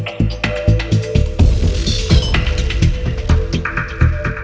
ขอโทษครับครอบครัวผมก็เสียชีวิตครับ